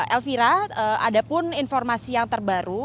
elvira ada pun informasi yang terbaru